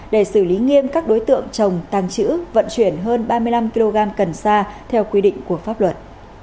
để xử lý nghiêm các đối tượng trồng tăng trữ vận chuyển hơn ba mươi năm kg cần sa theo quy định của pháp luật